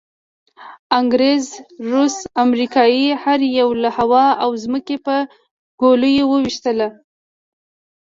انګریز، روس، امریکې هر یوه له هوا او ځمکې په ګولیو وویشتلو.